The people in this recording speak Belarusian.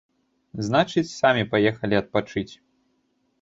Значыць, самі паехалі адпачыць.